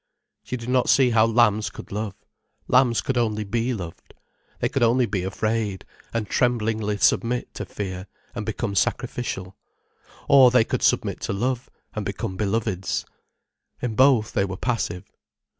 She did not see how lambs could love. Lambs could only be loved. They could only be afraid, and tremblingly submit to fear, and become sacrificial; or they could submit to love, and become beloveds. In both they were passive.